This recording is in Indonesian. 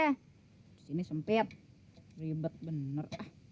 disini sempit ribet bener